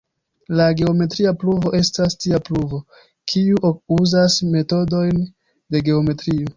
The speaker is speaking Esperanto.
La geometria pruvo estas tia pruvo, kiu uzas metodojn de geometrio.